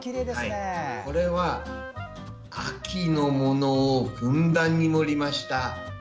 これは秋のものをふんだんに盛りました。